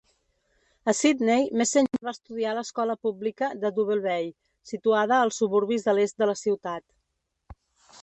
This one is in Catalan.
A Sydney, Messenger va estudiar a l'escola pública de Double Bay, situada als suburbis de l'est de la ciutat.